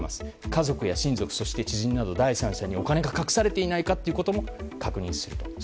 家族や親族、知人など第三者にお金が隠されていないかも確認する。